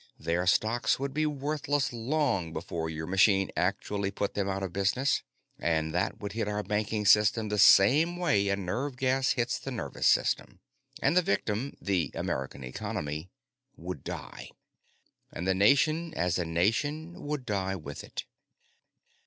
Their stocks would be worthless long before your machine actually put them out of business. And that would hit our banking system the same way a nerve gas hits the nervous system. And the victim the American economy would die. And the nation, as a nation, would die with it."